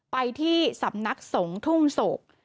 ไปที่สำนักสงฆ์ทุ่งโศก